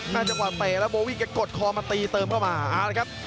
จังหวะเตะแล้วโบวี่แกกดคอมาตีเติมเข้ามาเอาละครับ